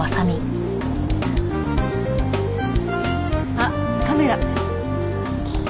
あっカメラ。